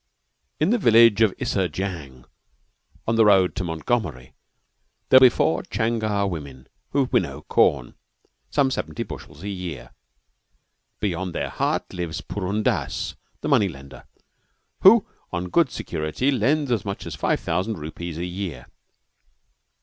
In the village of Isser Jang, on the road to Montgomery, there be four Changar women who winnow corn some seventy bushels a year. Beyond their hut lives Purun Dass, the money lender, who on good security lends as much as five thousand rupees in a year.